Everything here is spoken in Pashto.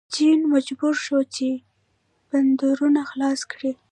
چین مجبور شو چې بندرونه خلاص کړي.